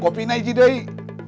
kopi naik jauh deh